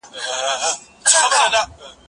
زه اجازه لرم چي لوبه وکړم!.